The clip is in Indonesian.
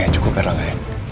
cukup ya rangga